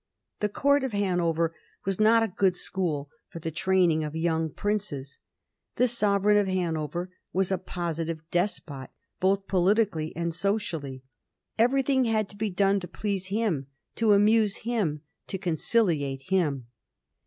The Court of Hanover was not a good school for the training of young princes. The sovereign of .Hanover was a positive despot, both politically and social ly. Everything had to be done to please him, to amuse him, to conciliate him.